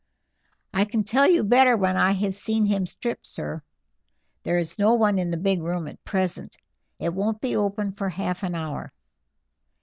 "I can tell you better when I have seen him strip, sir. There is no one in the big room at present. It won't be open for half an hour.